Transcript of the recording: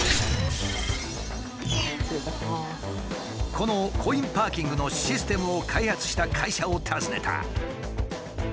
このコインパーキングのシステムを開発した会社を訪ねた。